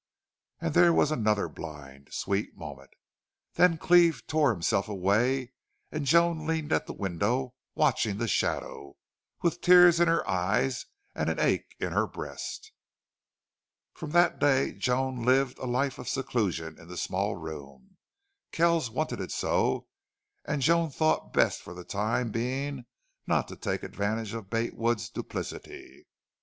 And there was another blind, sweet moment. Then Cleve tore himself away, and Joan leaned at the window, watching the shadow, with tears in her eyes and an ache in her breast. From that day Joan lived a life of seclusion in the small room. Kells wanted it so, and Joan thought best for the time being not to take advantage of Bate Wood's duplicity.